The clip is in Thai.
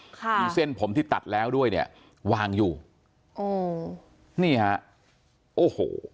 ค่ะมีเส้นผมที่ตัดแล้วด้วยเนี่ยวางอยู่โอ้นี่ฮะโอ้โห